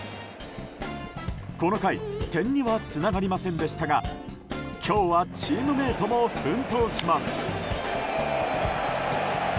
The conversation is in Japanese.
この回点にはつながりませんでしたが今日はチームメートも奮闘します。